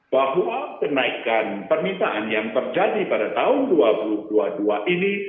bahwa kenaikan permintaan yang terjadi pada tahun dua ribu dua puluh dua ini